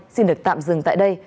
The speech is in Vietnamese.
xin được tạm dừng tại đây